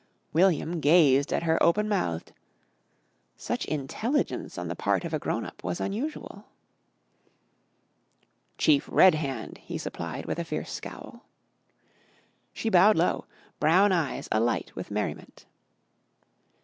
William gazed at her open mouthed. Such intelligence on the part of a grown up was unusual. [Illustration: "HAIL, O GREAT CHIEF!" SHE SAID.] "Chief Red Hand," he supplied with a fierce scowl. She bowed low, brown eyes alight with merriment.